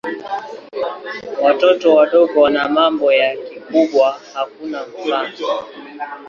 Watoto wadogo wana mambo ya kikubwa hakuna mfano.